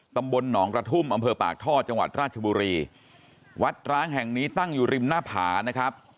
ตำบลหนองกระทุ่มอำเภอปากท่อจังหวัดราชบุรีวัดร้างแห่งนี้ตั้งอยู่ริมหน้าผานะครับ